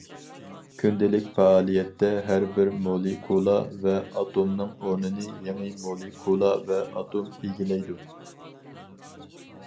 كۈندىلىك پائالىيەتتە ھەر بىر مولېكۇلا ۋە ئاتومنىڭ ئورنىنى يېڭى مولېكۇلا ۋە ئاتوم ئىگىلەيدۇ.